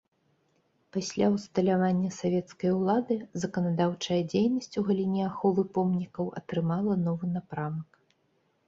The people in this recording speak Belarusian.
Пасля ўсталявання савецкай улады заканадаўчая дзейнасць у галіне аховы помнікаў атрымала новы напрамак.